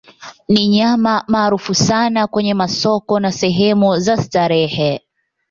Ni nyama maarufu sana kwenye masoko na sehemu za starehe.